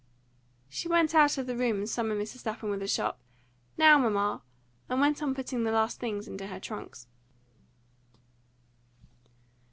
She went out of the room and summoned Mrs. Lapham with a sharp "Now, mamma!" and went on putting the last things into her trunks.